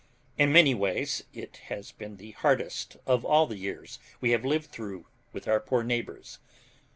In many ways it has been the hardest of all the years we have lived through with our poor neighbors.